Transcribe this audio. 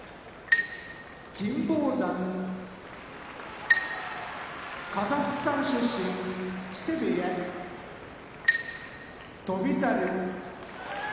金峰山カザフスタン出身木瀬部屋翔猿